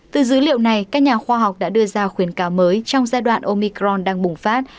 từ dữ liệu này các nhà khoa học đã đưa ra khuyến cáo mới trong giai đoạn omicron đang bùng phát